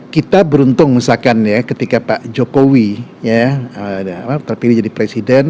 kita beruntung misalkan ya ketika pak jokowi terpilih jadi presiden